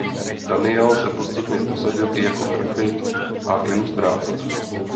Daniel se postupně prosadil i jako grafik a ilustrátor.